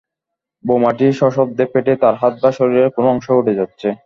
বোমাটি সশব্দে ফেটে তার হাত বা শরীরের কোনো অংশ উড়ে যাচ্ছে।